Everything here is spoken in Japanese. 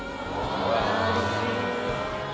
うわうれしい。